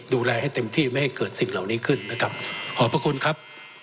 ดูแลให้เต็มที่ไม่ให้เกิดสิ่งเหล่านี้ขึ้นนะครับขอบพระคุณครับ